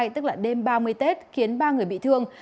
tức là đêm ba mươi tết khiến ba người bị thương